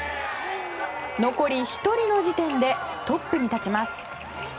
残り１人の時点でトップに立ちます。